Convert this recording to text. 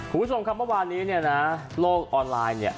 คุณผู้ชมครับเมื่อวานนี้เนี่ยนะโลกออนไลน์เนี่ย